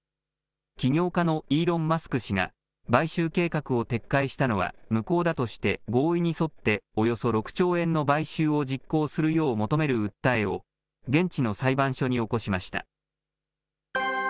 起業家のイーロン・マスク氏が買収計画を撤回したのは無効だとして、合意に沿って、およそ６兆円の買収を実行するよう求める訴えを、現地の裁判所に起こしました。